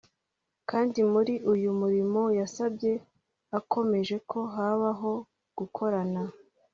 kandi muri uyu murimo yasabye akomeje ko habaho gukorana